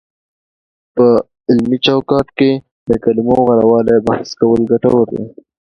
په علمي چوکاټ کې د کلمو د غوره والي بحث کول ګټور دی،